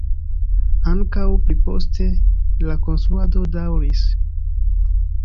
Ankaŭ pli poste la konstruado daŭris.